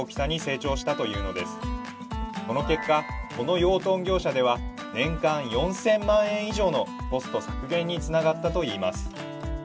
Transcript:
その結果この養豚業者では年間４，０００万円以上のコスト削減につながったといいます。